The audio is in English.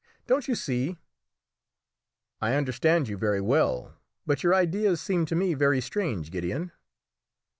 Don't you see?" "I understand you very well, but your ideas seem to me very strange, Gideon."